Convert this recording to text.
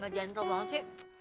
gak jantung banget sih